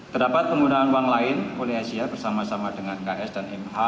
terdapat penggunaan uang lain oleh asia bersama sama dengan ks dan mh